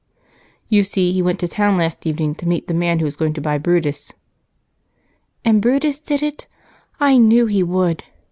"You see, he went to town last evening to meet the man who is going to buy Brutus." "And Brutus did it? I knew he would!"